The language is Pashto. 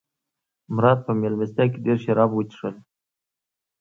مراد په مېلمستیا کې ډېر شراب وڅښل.